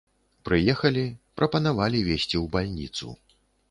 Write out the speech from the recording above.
Прыехалі, прапанавалі везці ў бальніцу.